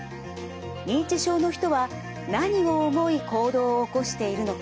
認知症の人は何を思い行動を起こしているのか。